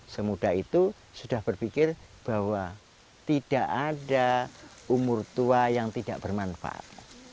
semudah itu sudah berpikir bahwa tidak ada umur tua yang tidak bermanfaat